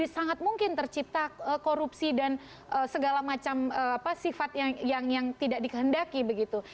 sangat mungkin tercipta korupsi dan segala macam sifat yang tidak dikehendaki begitu